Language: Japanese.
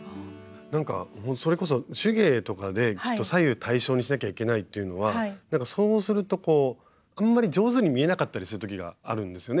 なんかそれこそ手芸とかで左右対称にしなきゃいけないというのはなんかそうするとあんまり上手に見えなかったりする時があるんですよね